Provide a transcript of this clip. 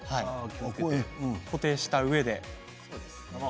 固定したうえで。